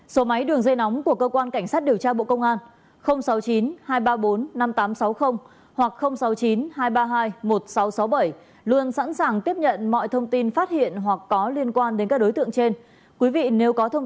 xin chào các bạn